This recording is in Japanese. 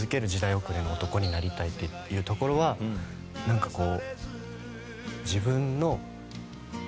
おくれの男になりたい」っていうところはなんかこう。